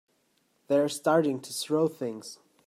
They're starting to throw things!